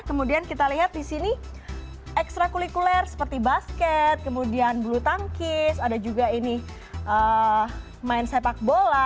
kemudian kita lihat di sini ekstra kulikuler seperti basket kemudian bulu tangkis ada juga ini main sepak bola